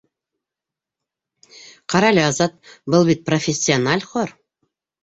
Ҡара әле, Азат, был бит профессиональ хор!